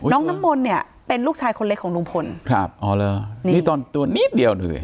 น้องน้ำมนต์เนี่ยเป็นลูกชายคนเล็กของลุงพลครับอ๋อเหรอนี่ตอนตัวนิดเดียวดูสิ